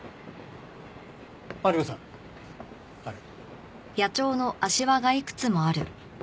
マリコさんあれ。